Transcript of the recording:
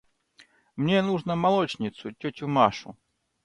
– Мне нужно молочницу, тетю Машу.